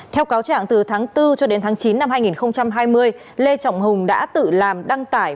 theo cáo trạng từ tháng bốn cho đến tháng chín năm hai nghìn hai mươi lê trọng hùng đã tự làm đăng tải